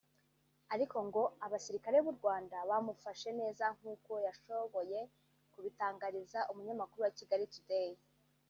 ariko ngo abasirikare b’u Rwanda bamufashe neza nkuko yashoboye kubitangariza umunyamakuru wa Kigali Today